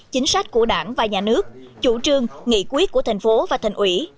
chính sách của đảng và nhà nước chủ trương nghị quyết của thành phố và thành ủy